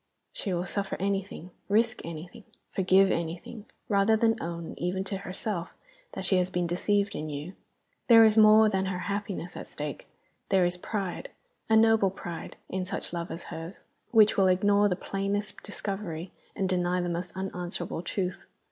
She will suffer anything, risk anything, forgive anything, rather than own, even to herself, that she has been deceived in you. There is more than her happiness at stake; there is pride, a noble pride, in such love as hers, which will ignore the plainest discovery and deny the most unanswerable truth.